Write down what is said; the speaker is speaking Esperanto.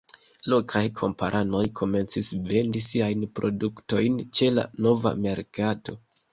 Lokaj kamparanoj komencis vendi siajn produktojn ĉe la nova merkato.